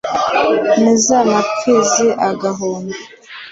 N iz amapfizi agahumbi